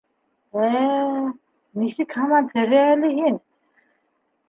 Ә-ә... нисек һаман тере әле һин?